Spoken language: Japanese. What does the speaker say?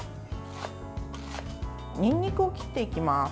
にんにくを切っていきます。